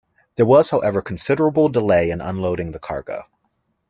There was, however, considerable delay in unloading the cargo.